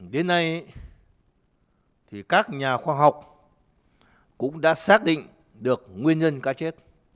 đến nay các nhà khoa học cũng đã xác định được nguyên nhân cá chết